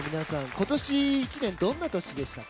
今年１年どんな年でしたか？